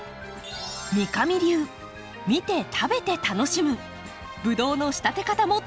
三上流見て食べて楽しむブドウの仕立て方も登場。